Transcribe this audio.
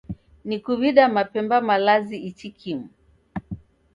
Nikuw'ida mapemba malazi ichi kimu